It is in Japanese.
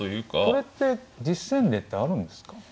これって実戦例ってあるんですか？